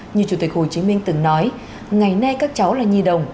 như chủ tịch hồ chí minh từng nói ngày nay các cháu là nhi đồng